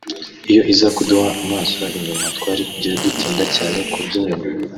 iyo iza kuduha amaso inyuma twari kujya dutinda cyane ku by’inyuma